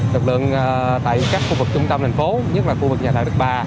lực lượng tại các khu vực trung tâm thành phố nhất là khu vực nhà đại đất ba